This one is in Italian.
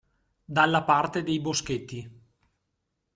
Dalla parte dei Boschetti.